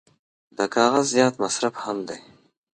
د کاغذ زیات مصرف هم دی.